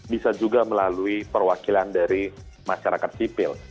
bisa juga melalui perwakilan dari masyarakat sipil